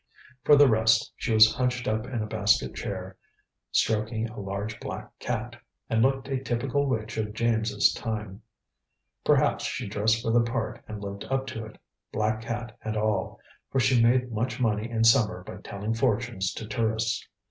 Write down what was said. For the rest, she was hunched up in a basket chair, stroking a large black cat, and looked a typical witch of James's time. Perhaps she dressed for the part and lived up to it, black cat and all, for she made much money in summer by telling fortunes to tourists.